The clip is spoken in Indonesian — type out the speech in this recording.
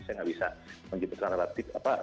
saya nggak bisa menjelaskan relatif